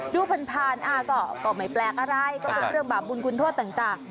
ดูผ่านก็ไม่แปลกอะไรก็เป็นเรื่องบาปบุญคุณโทษต่าง